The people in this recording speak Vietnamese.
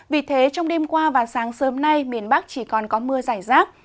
vì thế trong đêm qua và sáng sớm nay miền bắc chỉ còn có mưa giải rác